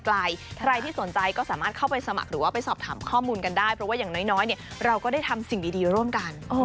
ใครที่สนใจก็สามารถเข้าไปสมัครหรือว่าไปสอบถามข้อมูลกันได้เพราะว่าอย่างน้อยเราก็ได้ทำสิ่งดีร่วมกัน